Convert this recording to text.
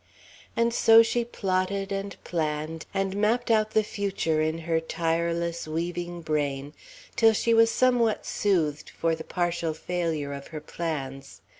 And so she plotted and planned, and mapped out the future in her tireless weaving brain, till she was somewhat soothed for the partial failure of her plans.